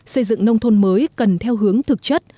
xây dựng nông thôn mới cần theo hướng thực chất